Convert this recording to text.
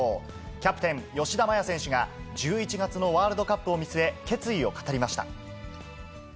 キャプテン、吉田麻也選手が１１月のワールドカップを見据え、決意を語りました。